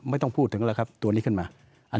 ไม่ต้องพูดถึงแล้วครับตัวนี้ขึ้นมา